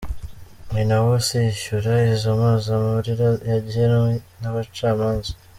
Ni nawe uzishyura izo mpozamarira yagenwe n’abacamanza.